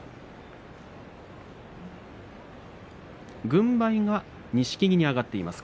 軍配は錦木に上がっています。